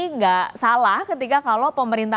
tidak salah ketika kalau pemerintah